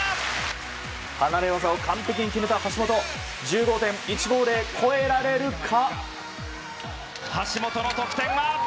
離れ技を完璧に決めた橋本。１５．１５０超えられるか。